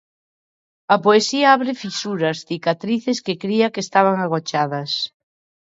"A poesía abre fisuras, cicatrices que cría que estaban agochadas".